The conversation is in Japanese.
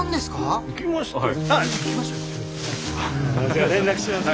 じゃあ連絡します。